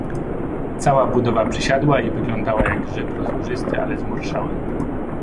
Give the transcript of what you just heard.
"Cała budowa przysiadła i wyglądała jak grzyb rozłożysty, ale zmurszały."